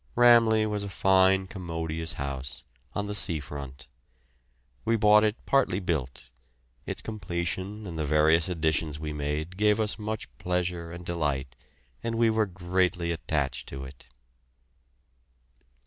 "Ramleh" was a fine, commodious house, on the sea front. We bought it partly built; its completion and the various additions we made gave us much pleasure and delight, and we were greatly attached to it.